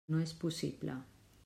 No és possible.